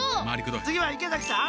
つぎは池崎さん。